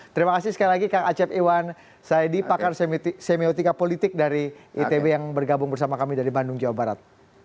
terima kasih sekali lagi kang acep iwan saidi pakar semiotika politik dari itb yang bergabung bersama kami dari bandung jawa barat